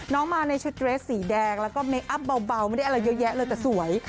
มาในชุดเรสสีแดงแล้วก็เมคอัพเบาไม่ได้อะไรเยอะแยะเลยแต่สวย